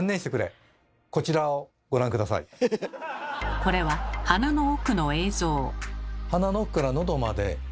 これは鼻の奥の映像。